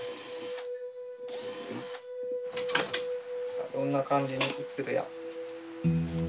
さあどんな感じに映るや？